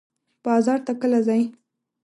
بازار ته کله ځئ؟